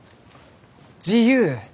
「自由」